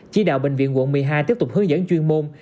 chỉ đạo bệnh viện quận một mươi hai tiếp tục hướng dẫn chuyên môn